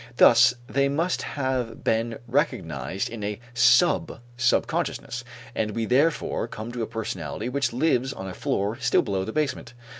Thus they must have been recognized in a sub subconsciousness, and we therefore come to a personality which lives on a floor still below the basement.